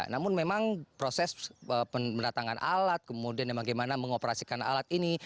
namun memang proses peneratangan alat kemudian bagaimana mengoperasikan alat ini